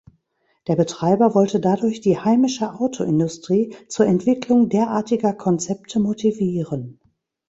Der Betreiber wollte dadurch die heimische Autoindustrie zur Entwicklung derartiger Konzepte motivieren.